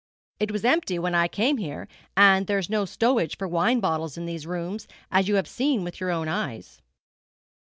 It was empty when I came here, and there's no stowage for wine bottles in these rooms, as you have seen with your own eyes.'